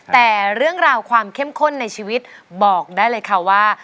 แต่เรื่องราวความเข้มข้นในชีวิตบอกได้เลยค่ะว่า